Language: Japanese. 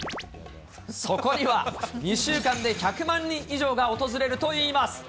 そこには２週間で１００万人以上が訪れるといいます。